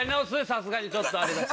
さすがにちょっとあれだし。